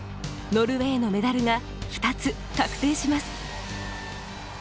ノルウェーのメダルが２つ確定します。